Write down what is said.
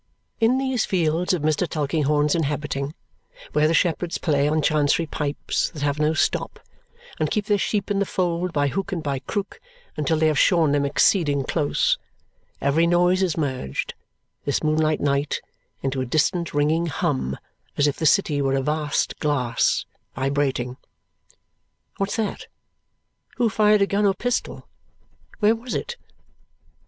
In these fields of Mr. Tulkinghorn's inhabiting, where the shepherds play on Chancery pipes that have no stop, and keep their sheep in the fold by hook and by crook until they have shorn them exceeding close, every noise is merged, this moonlight night, into a distant ringing hum, as if the city were a vast glass, vibrating. What's that? Who fired a gun or pistol? Where was it?